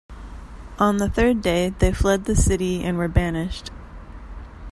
On the third day they fled the city and were banished.